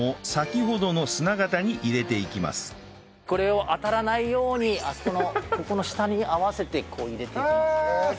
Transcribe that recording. これを当たらないようにあそこのここの下に合わせてこう入れていきます。